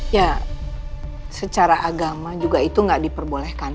ya secara agama juga itu nggak diperbolehkan